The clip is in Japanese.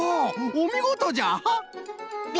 おみごとじゃ！